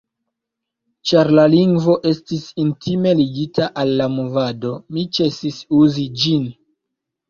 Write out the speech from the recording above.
Ĉar la lingvo estis intime ligita al la movado, mi ĉesis uzi ĝin.